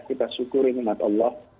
kita syukuri kemat allah